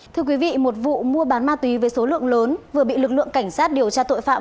thưa quý vị một vụ mua bán ma túy với số lượng lớn vừa bị lực lượng cảnh sát điều tra tội phạm